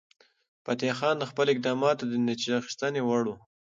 فتح خان د خپلو اقداماتو د نتیجه اخیستنې وړ و.